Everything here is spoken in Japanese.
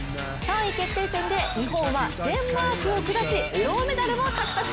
３位決定戦で日本はデンマークを下し銅メダルを獲得。